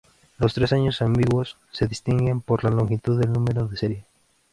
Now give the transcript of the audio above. Los tres años ambiguos se distinguen por la longitud del número de serie.